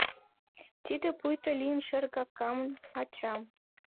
Тиде пуйто лийын шергакан ачам.